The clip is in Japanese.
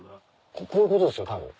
こういうことですよたぶん。